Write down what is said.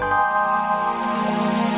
aku sudah suka sama bu